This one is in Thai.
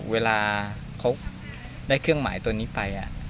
เวลาเขาได้เครื่องหมายตัวนี้ไป